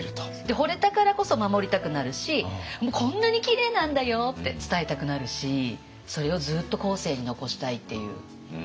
ほれたからこそ守りたくなるし「こんなにきれいなんだよ！」って伝えたくなるしそれをずっと後世に残したいっていう。